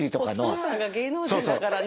お父さんが芸能人だからね。